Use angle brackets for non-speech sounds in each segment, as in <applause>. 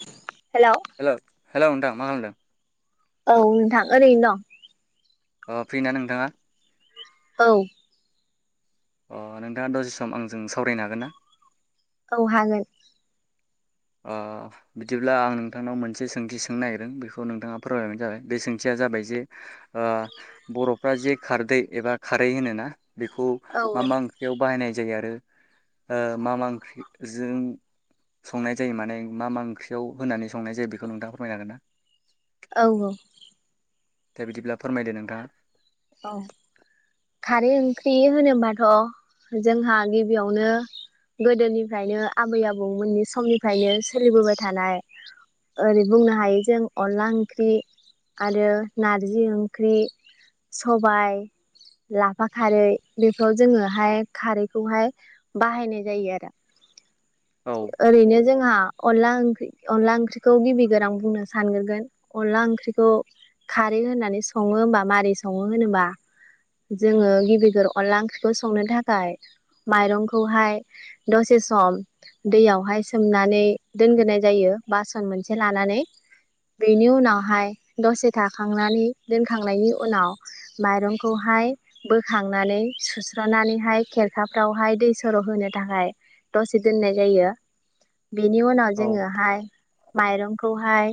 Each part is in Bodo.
<inaudible> हेलौ हेलौ नोंथां मा खालामदों औ नोंथां ओरैनो दं अ फ्रि ना नोंथाङा? औ अ नोंथाङा दसे सम आंजों सावरायनो हागोन ना? अ हागोन। ओ बिदिब्ला आं नोंथांनाव मोनसे सोंथि सोंनो नागिरदों बेखौ नोंथाङा फोरमायबानो जाबाय बे सोंथिया जाबाय ओ बर'फ्रा जे खारदै एबा खारै होनोना बेखौ औ मा मा ओंख्रियाव बाहायनाय जायो आरो ओ मा मा ओंख्रि जों संनाय जायो माने मा मा ओंख्रियाव होनानै संनाय जायो बेखौ नोंथाङा फोरमायनो हागोन ना? औ औ। दा बिदिब्ला फोरमायदो नोंथाङा। औ खारै ओंख्रि होनोबाथ' जोंहा गिबियावनो गोदोनिफ्रायनो आबै आबौमोननि समनिफ्रायनो सोलिबोबाय थानाय ओरै बुंनो हायो जों अनला ओंख्रि आरो नार्जि ओंख्रि। सबाइ लाफा खारै बेखौ जोङोहाय खारैखौहाय बाहायनाय जायो आरो। औ ओरैनो जोंहा अनला ओंख्रि अनला ओंख्रिखौ गिबिगोर आं बुंनो सानग्रोगोन अनला ओंख्रिखौ खारै होननानै सङो होमबा मारै सङो होनोबा जोङो गिबिगोर अनला ओंख्रिखौ संनो थाखाय माइरंखौहाय दसे सम दैयावहाय सोमनानै दोनग्रोनाय जायो बासन मोनसे लानानै बेनि उनावहाय दसे थाखांनानै दोनखांनायनि उनाव माइरंखौहाय बोखांनानै सुस्रनानैहाय खेरखाफ्रावहाय दै सर'होनो थाखाय दसे दोननाय जायो। बेनि उनाव औ जोङोहाय माइरंखौहाय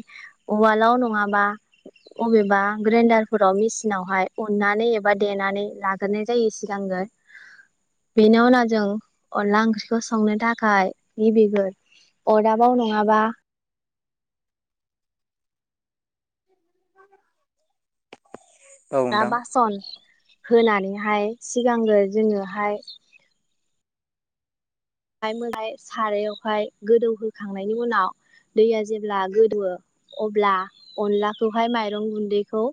उवालाव नङाबा अबेबा ग्रेन्डारफोराव मिसिनावहाय उननानै एबा देनानै लाग्रोनाय जायो सिगांगो बेनि उनाव जों अनला ओंख्रिखौ संनो थाखा खाय गिबिगोर अरदाबाव नङाबा औ दा नोंथां बासन होनानैहाय सिगांगोर जोङोहाय <unintelligible> सारायावहाय गोदौहोखांनायनि उनाव दैया जेब्ला गोदौयो अब्ला अनलाखौहाय माइरं गुन्दैखौ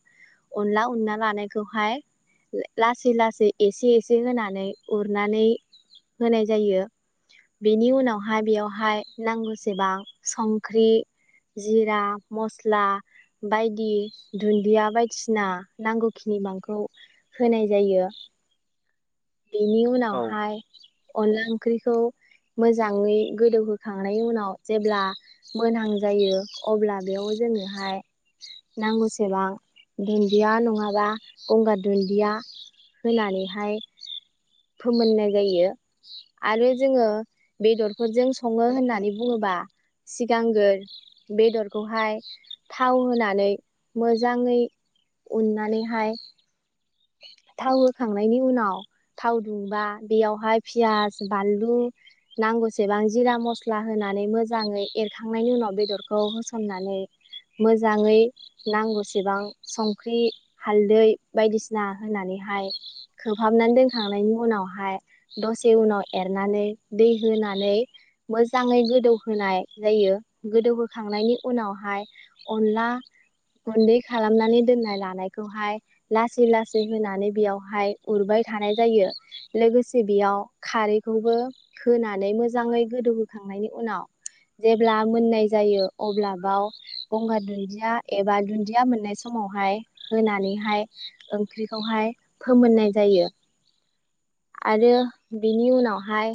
अनला उनना लानायखौहाय लासै लासै एसे एसे होनानै उरनानै होनाय जायो। बेनि उनावहाय बेयावहाय नांगौसेबां संख्रि, जिरा, मस्ला' बायदि दुन्दिया बायदिसिना नांगौ खिनि बांखौ होनाय जायो। बेनि औ उनावहाय अनला ओंख्रिखौ मोजाङै गोदौहोखांनायनि उनाव जेब्ला मोनहां जायो अब्ला बेयाव जोंनोहाय नांगौसेबां दुन्दिया नङाबा गंगार दुन्दिया होनानैहाय फोमोननाय जायो आरो जोङो बेदरफोरजों सङो होननानै बुङोबा सिगांग्रो बेदरखौहाय थाव होनानै मोजाङै उननानैहाय थाव होखांनायनि उनाव थाव दुंबा बेयावहाय फियास बानलु नांगौसेबां जिरा मस्ला होनानै मोजाङै एरखांनायनि उनाव बेदरखौ होसननानै मोजाङै नांगौ सेबां संख्रि हालदै बायदिसि ना होनानैहाय खोबहाबनानै दोनखांनायनि उनावहाय दसे उनाव एरनानै दै होनानै मोजाङै गोदौहाय जायो गोदौहोखांनायनि उनावहाय अनला गुन्दै खालामनानै दोननाय लानायखौहाय ला लासै लासै होनानै बेयावहाय उरबाय थानाय जायो, लोगोसे बेयाव खारैखौबो होनानै मोजाङै गोदौहोखांनायनि उनाव जेब्ला मोननाय जायो अब्ला बाव गंगार दुन्दिया एबा दुन्दिया मोननाय समावहाय होनानैहाय ओंख्रिखौहाय फोमोननाय जायो आरो बेनि उनावहाय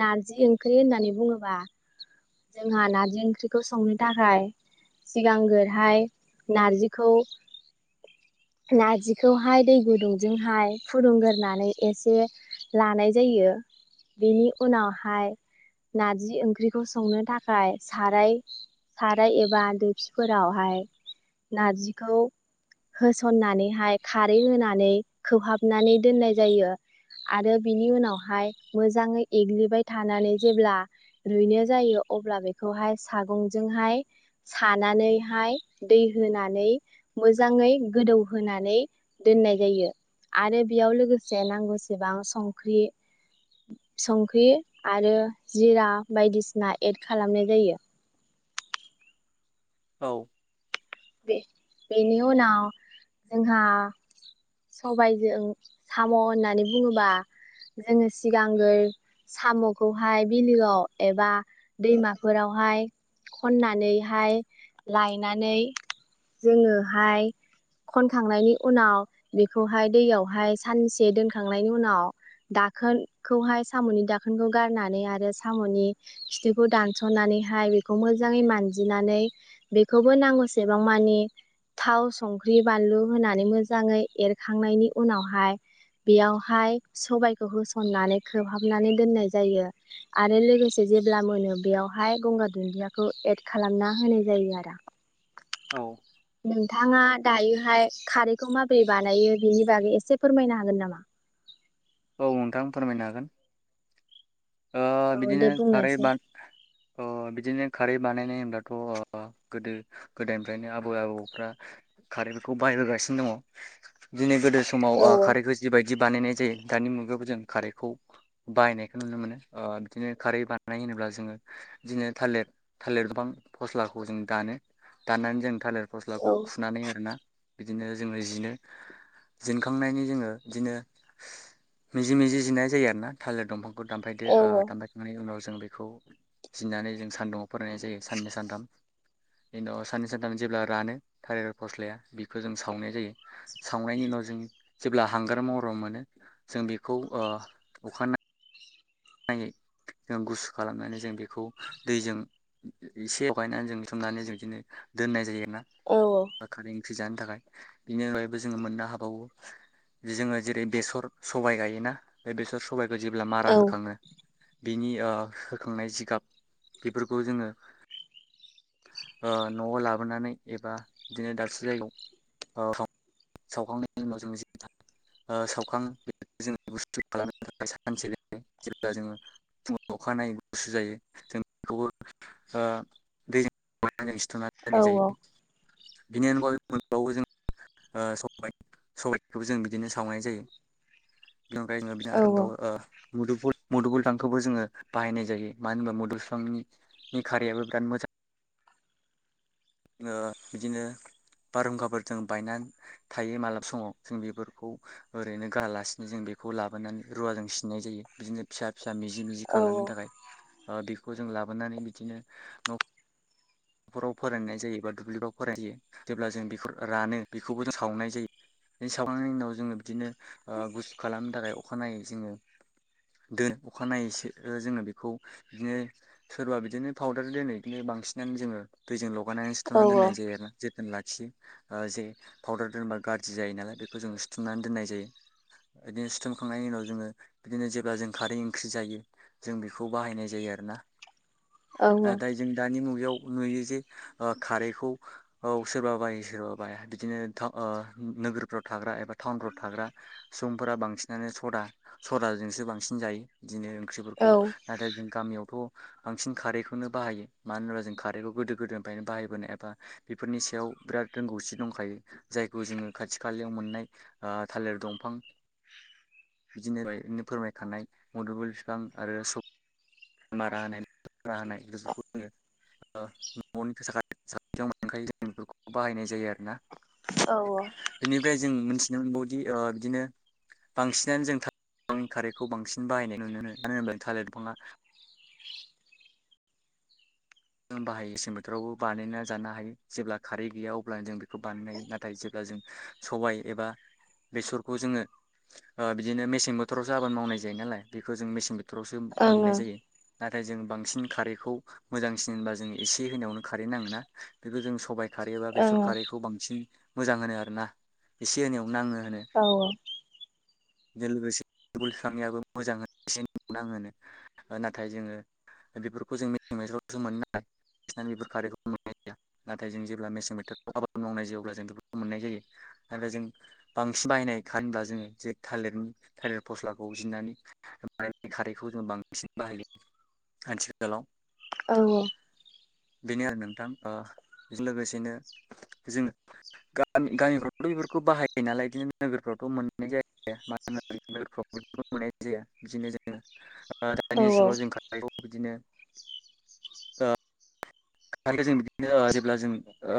नार्जि ओंख्रि होननानै बुङोबा जोंहा नार्जि ओंख्रिखौ संनो थाखाय सिगांग्रोहाय नार्जिखौ नार्जिखौहाय दै गुदुंजोंहाय फुदुंग्रोनै एसे लानाय जायो बेनि उनावहाय नार्जि ओंख्रिखौ संनो थाखाय साराय साराय एबा दोफिफोरावहाय नार्जिखौ होस हननाहैहाय खारै होनानै खोबहाबनानै दोननाय जायो आरो बिनि उनावहाय मोजाङै एग्लिबाय थानानै जेब्ला रुइनो जायो अब्ला बेखौहाय सागंजोंहाय सानानैहाय दै होनानै मोजाङै गोदौ होनानै दोननाय जायो आरो बियाव लोगोसे नांगौसेबां संख्रि संख्रि आरो जिरा बायदिसिना एड खालामनाय जायो। औ बे-बेनि उनाव जोंहा सबाइजों साम' होननानै बुङोबा जोङो सिगांगोर साम'खौहाय बिलोआव एबा दैमाफोरावहाय खननानैहाय लायनानै जोङोहाय खनखांनायनि उनाव बेखौहाय दैयावहाय सानसे दोनखांनायनि उनाव दाखोनखौहाय साम'नि दाखोनखौ गारनानै आरो साम'नि खिथुखौ दानस'नानैहाय बेखौ मोजाङै मानजिनानै बेखौबो नांगौसि सेबां मानि थाव संख्रि बानलु होनानै मोजाङै एरखांनायनि उनावहाय बेयावहाय सबाइखौ होसननानै खोबहाबनानै दोननाय जायो आरो लोगोसे जेब्ला मोनो बेयावहाय गंगार दुन्दियाखौ एद खालामना होनाय जायो आरो। औ <inaudible> नोंथाङा दायोहाय खारैखौ माबोरै बानायो बेनि बागै एसे फोरमायनो हागोन नामा? औ नोंथां फोरमायनो हागोन। ओ औ बिदिनो दे खारै बा बुंनायसाय। अ बिदिनो खारै बानायनाय होनब्लाथ' गोदो गोदोनिफ्रायनो आ आबौ आबौफ्रा खारै बेखौ बाहाय बोगासिनो दङ दिनै गोदो समाव ओ खारैखौ जि बाय दि बानायनाय जायो दानि मुगायावबो जों खारैखौ बाहायनायखौ नुनो मोनो ओ बिदिनो खारै बानाय होनोब्ला जोङो बिदिनो थालिर थालिर बिफां फस्लाखौ जों दानो दाननानै जों थालेर फस्लाखौ खुनानै आरो ना बिदिनो जोङो जिनो जिनखांनायनि जोङो बिदिनो मिजि मिजि जिनाय जायो आरोना थालिर दंफांखौ बे ओ जों बेखौ जिनानै जों सान्दुङआव फरायनाय जायो साननै सानथाम इनि उनाव साननै सानथाम जेब्ला रानो थालेर फस्लाया बिखो जों सावनाय जायो सावनायनि उनाव जों जेब्ला हांगार मरम मोनो जों बेखौ ओ अखानाय नायै जों गुसु खालामनानै जों बेखौ दैजों इसे लगायनानै जोंथुमनानै जों बिदिनो दोननाय जायो ना बा खारै ओंख्रै जानो थाखाय बिनि अनगायैबो जोङो मोननो हाबावो जोङो जेरै बेसर, सबाय गायोना बे बेसर स सबाइखौ जेब्ला मारा हो बिनि ओ होखांनाय जिगाब बेफोरखौ जोङो ओ न'आव लाबोनानै एबा बिदिनो दाबसे जायगायाव ओ सावखांनायनि उनाव जों जेब्ला ओ सावखां बे जों गुसु खालामनो थाखाय सानसे जेब्ला जोङो फुङाव अखानायै गुसु जायो जों बेखौबो ओ दैजों <unintelligible> दोन्नाय जायो बिनि अनगायैबो मोनबावो जों ओ सबाइ सबाइखौबो जों बिदिनो सावनाय जायो बेनि अनगायै जों बिनो आरो मोनबावो ओ मुदुफुल मुदुफुदांखौबो जोङो बाहायनाय जायो मानो होनबा मुदुल फिफांनि खारैयाबो बिराद मोजां ओ बिदिनो बारहुंखाफोरजों बायना थायो मालाबा समाव जों बेफोरखौ ओरैनो गारालासिनो जों बेखौ लाबोनानै रुवाजों सिननाय जायो बिदिनो फिसा फिसा मिजि मिजि खालामनो थाखाय ओ बिखौ जों लाबोनानै बिदिनो न' न'खराव फरायनाय जायो बा दुब्लिाव फरायो जेब्ला जों बेखौ रानो बेखौबो सावनाय जायो बे सावनायनि उनाव जोङो बिदिनो ओ गुसु खालामनो थाखाय अखानायै जोङो दोन अखानायैसो ओ जोङो बेखौ बिदिनो सोरबा बिदिनो फाउदार दोनो बिदिनो बांसिनानो जोङो दैजों ल' <unintelligible> सिथ'ना दोननाय जायो आरोना जोथोन ला खि ओ जे फाउदार दोनबा गारजि जायो नालाय बेखौ जों सिथुमनानै दोननाय जायो इदिनो सिथुमखांनायनि उनाव जोङो बिदिनो जेब्ला जों खारै ओंख्रि जायो जों बेखौ बाहायनाय जायो आरोना नाथाय जों दानि मुगायाव नुयो जे ओ खारैखौ औ सोरबा बायो सोरबा बाया बिदिनो ओ नोगोरफ्राव थाग्रा एबा टाउनफ्राव थाग्रा सुबुंफोरा बांसिनानो सदा सदाजोंसो बांसिन जायो बिदिनो सोफोरखौ नाथाय जों गामियावथ' बांसिन खारैखौनो बाहायो मानो ओनबा जों खारैखौ गोदो गोदायनिफ्रायनो बाहायबोनाय एबा बेफोरनि सायाव बिराद रोंगौसि दंखायो जायखौ जोङो खाथि खालायाव मोननाय ओ थालेर दंफां बिदिनो फोरमायखानाय मुदुफुल फिफां आरो स मारा होनाय मारा होनाय <unintelligible> जोङो ओ न'नि साखाथि साखाथियाव मोनखायो जों बेफोरखौ बाहायनाय जायो आरो ना इनिफ्राय जों मोन मोनबावदि ओ बिदिनो बांसिनानो जों थालिर बिफांनि खारैखौ बांसिन बाहायनाय नुनो मोनो मानो होनब्ला थालेर फिफांआ बाहाइसिम बोथोरावबो बानायना जानो हायो जेब्ला खारै गैया अब्लानो जों बे बाननाय नाथाय जोगा जों सबाय एबा बेसरखौ जोङो ओ बिदिनो मेसें बोथोरावसो आबाद मावनाय जायो नालाय बेखौ जों मेसें बो थोरावसो मोननाय जायो। नाथाय जों बांसिन खारैखौ मोजां सिनबा जों एसे होनायावनो खारै नाङोना बेखौ जों सबाय खारै एबा बेसर खारैखौ बांसिन मोजां होनो आरो ना एसे होनायाव नाङो। औ औ। जो लोगोसे थुबुर बिफांनियाबो मोजां एसे नांङो नो ओ नाथाय जोङो बेफोरखौ जों मे मेज सो मोन ना फिथान बेफोर खारैखौ मोननाय जाया आखायजों जेब्ला मेसें बोथोरखौ आबाद मावनाय जायो अब्ला जों बेफोरखौ मोननाय जायो नाथाय जों बांसिन बाहायनाय खारै होनब्ला जोङो जे थालिरनि थालिर फस्लाखौ जिनानै बानायनाय खारैखौ जोङो बांसिन बाहायो आथिखालाव। औ औ। बेनो आरो नोंथां ओ बेजों लोगोसेनो जोङो गामि-गामिफ्रावथ' बेफोरखौ बाहायो नालाय बिदिनो नोगोरफ्रावथ' मोननाय जाया मानोना नोगोरफ्रव बेफोरखौ मोननाय जाया बिदिनो जोङो ओ दानि जुगाव जों खाथायखौ बिदिनो ओ। खारैखो जों बिदिनो जेब्ला जों ओ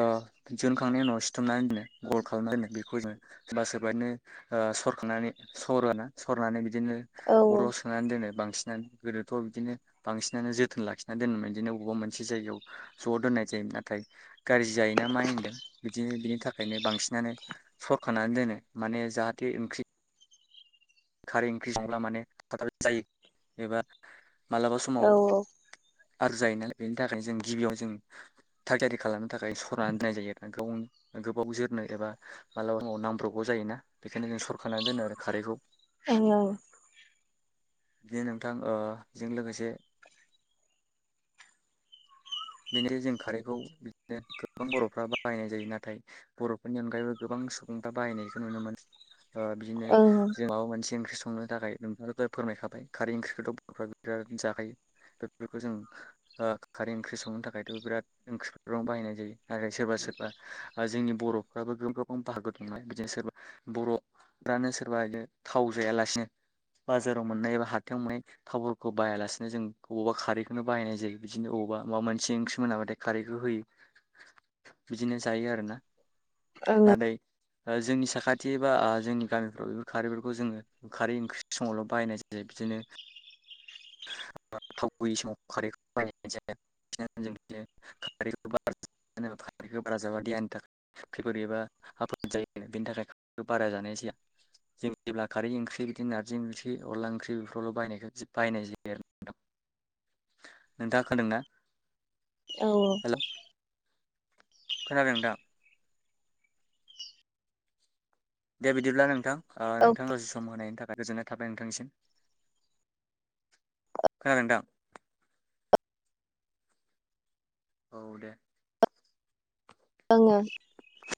जोनखांनायनि उनाव सिथुमनानै दोनो गल खालामनानै दोनो बेखौ जोङो सोरबा सोरबा इदिनो ओ सरखांनानै सरो ना सरनानै बि बिदिनो बथलाव सोनानै दोनो बां सिनानो गोदोथ' बिदिनो बांसिनानो जोथोन लाखिनानै दोनोमोन बिदिनो अबेबा मोनसे जायगायाव ज' दोननाय जायो नाथाय गारजि जायोना मा होनदों बिदिनो बिनि थाखायनो बांसिनानो सरखारनानो दोनो माने जाहाथे ओंख्रि खारै ओंख्रि संब्ला मानेथाब थाब जायो एबा मालाबा समाव आरजायो नालाय बेनि थाखायनो जों गिबियाव जों थागजायथाय खालामनो थाखाय सरनानै दोननाय जायो आरो ना गावनि गोबाव जोरनो एबा मालाबा समाव नांब्रबगौ जायोना बेखायनो जों सरखानानै दोनो आरो खारैखौ। औ औ। दिनो नोंथां ओ जों लोगोसे बेनिनो जों खारैखौ बिदिनो गोबां बर'फ्रा बाहायनाय जायो नाथाय बर'फोरनि अनगायैबो गोबां सुबुंफ्रा बाहायनायखौ नुनो मोन ओ बिदिनो जों माबा मोनसे ओंख्रि स संनो थाखाय नोंथाङा दहाय फोरमायखाबाय खारै ओंख्रिखौथ' बर'फ्रा बिराद जाखायो बेफोरखौ जों ओ खारै ओंख्रि सं संनो थाखायथ' बिराद ओंख्रिफोराव बाहायनाय जायो आरो सोरबा सोरबा ओ जोंनि बर'फ्राबो गोबांफ्राव बाहागो दंला बिदिनो सोरबा बर'फ्रानो सोरबा बिदिनो थाव जायालासिनो बाजाराव मोननाय एबा हाथायाव मोननाय थावफोरखौ बायालासेनो जों बबावबा खारैखौनो बाहायनाय जायो बिदिनो अबावबा अबा मोनसे ओंख्रि मोनाबाथाय खारैखौ होयो बिदिनो जायो आरो ना। आदै ओ जोंनि साखाथि एबा ओ जोंनि गामिफ्राव बेफोर खारैफोरखौ जोङो खारै ओंख्रि समावल' बाहायनाय जायो बिदिनो। थाव गैयै समाव खारैखौ बायनाय जाया खारैखौ बारा जाबा देहानि थाखाय खैफोद एबा आफोद जायो बेनि थाखाय खैखौ बारा जानाय जाया जों जेब्ला खारै ओंख्रि बिदि नारजि ओंख्रि अनला ओंख्रि बेफोरावल' बाहायनायखो बाहायनाय जायो आरो ना? नोंथाङा खादोंना? औ औ। खोनादों दा? दे बिदिब्ला नोंथां। ओ नोंथांङा दसे सम होनायनि थाखाय रां गोजोननाय थाबाय नोंथांनिसिम खोनादोंदा? औ दे <unintelligible>